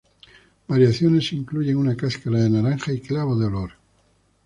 Variaciones incluyen una cáscara de naranja y clavo de olor.